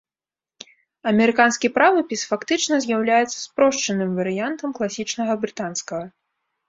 Амерыканскі правапіс фактычна з'яўляецца спрошчаным варыянтам класічнага брытанскага.